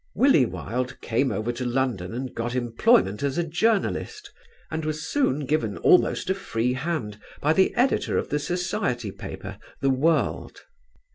Willie Wilde came over to London and got employment as a journalist and was soon given almost a free hand by the editor of the society paper The World.